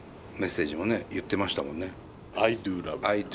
メッセージもね言ってましたもんね。